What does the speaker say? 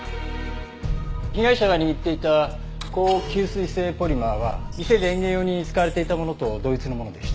被害者が握っていた高吸水性ポリマーは店で園芸用に使われていたものと同一のものでした。